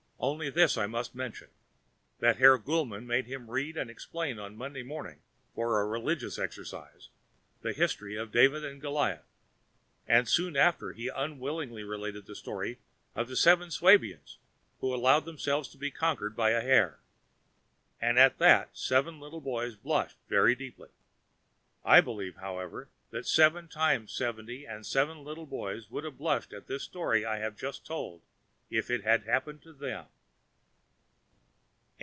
Only this must I mention: that Herr Gulmann made him read and explain on Monday morning, for a religious exercise, the history of David and Goliath, and soon after he unwillingly related the story of the Seven Suabians, who allowed themselves to be conquered by a hare, and at that seven little boys blushed very deeply. I believe, however, that seven times seven and seventy little boys would blush at this story I have just told if it had happened to them!